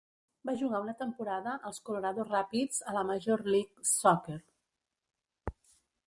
Va jugar una temporada als Colorado Rapids a la Major League Soccer.